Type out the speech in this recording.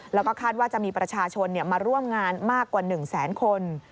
แล้วก็คาดว่าจะมีประชาชนมาร่วมงานมากกว่า๑แสนคน